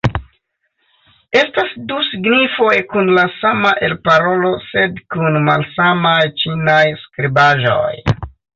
Estas du signifoj kun la sama elparolo sed kun malsamaj ĉinaj skribaĵoj.